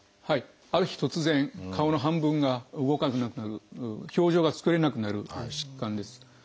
ある日突然顔の半分が動かなくなる表情が作れなくなる疾患です。